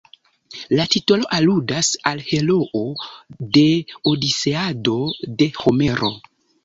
La titolo aludas al heroo de "Odiseado" de Homero.